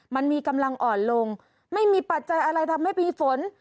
มันมีกำลังอ่อนลงไม่มีปัจจัยอะไรทำให้มีฝน